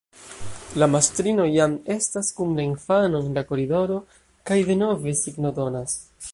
La mastrino jam estas kun la infano en la koridoro kaj denove signodonas.